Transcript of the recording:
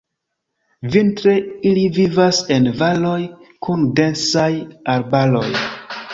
Vintre ili vivas en valoj kun densaj arbaroj.